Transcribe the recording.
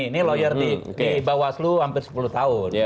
ini lawyer di bawah selu hampir sepuluh tahun